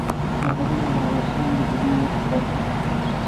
سرحدونه د افغانستان د طبیعت برخه ده.